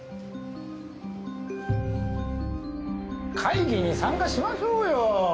会議に参加しましょうよ！